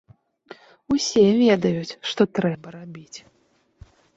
Усе ведаюць, што трэба рабіць.